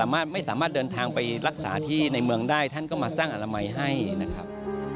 ไม่สามารถเดินทางไปรักษาที่ในเมืองได้ท่านก็มาสร้างอนามัยให้นะครับ